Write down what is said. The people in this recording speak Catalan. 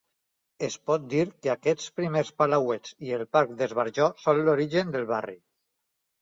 Es pot dir que aquests primers palauets i el parc d'esbarjo són l'origen del barri.